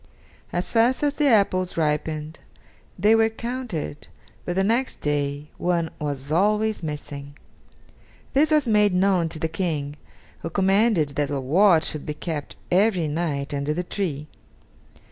As fast as the apples ripened they were counted, but the next day one was always missing. This was made known to the King, who commanded that a watch should be kept every night under the tree.